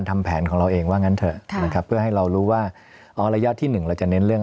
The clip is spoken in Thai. ทำแผนของเราเองว่างั้นเถอะนะครับเพื่อให้เรารู้ว่าอ๋อระยะที่หนึ่งเราจะเน้นเรื่อง